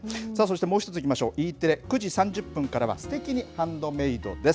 もう１ついきましょうＥテレ９時３０分からはすてきにハンドメイドです。